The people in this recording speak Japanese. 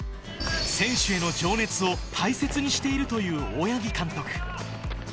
選手への情熱を大切にしているという大八木監督。